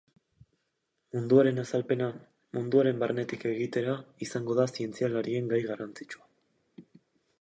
Munduaren azalpena munduaren barnetik egitera izango da zientzialarien gai garrantzitsua.